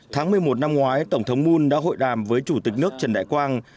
tháng một mươi một năm ngoái tổng thống moon đã hội đàm với chủ tịch nước trần đại quang